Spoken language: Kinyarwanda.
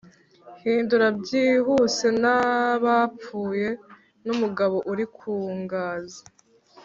hindura byihuse n'abapfuye, n'umugabo uri ku ngazi